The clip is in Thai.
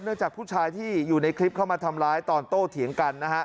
จากผู้ชายที่อยู่ในคลิปเข้ามาทำร้ายตอนโต้เถียงกันนะฮะ